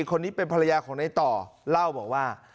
คนนี้เป็นภรรยาของในต่อเล่าบอกว่า